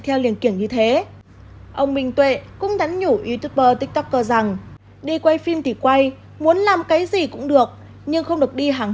thầy cũngifice đ scalp givu nịa để giúp phụ em sóng